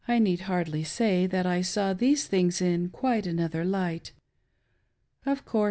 need hardly say that I saw these things in quite another light Of course, <l?